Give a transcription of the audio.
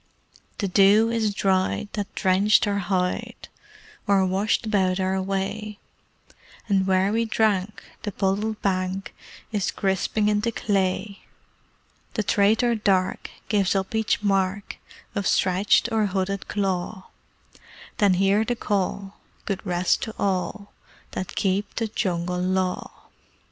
The dew is dried that drenched our hide Or washed about our way; And where we drank, the puddled bank Is crisping into clay. The traitor Dark gives up each mark Of stretched or hooded claw; Then hear the Call: "Good rest to all That keep the Jungle Law!"